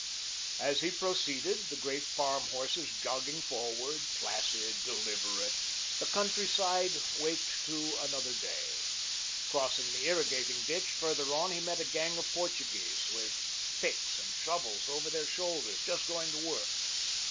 As he proceeded, the great farm horses jogging forward, placid, deliberate, the country side waked to another day. Crossing the irrigating ditch further on, he met a gang of Portuguese, with picks and shovels over their shoulders, just going to work.